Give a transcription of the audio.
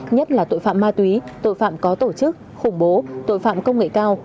nhất là tội phạm ma túy tội phạm có tổ chức khủng bố tội phạm công nghệ cao